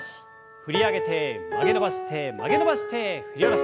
振り上げて曲げ伸ばして曲げ伸ばして振り下ろす。